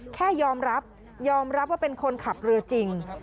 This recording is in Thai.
แค่ยอมรับยอมรับว่าเป็นคนขับเรือจริง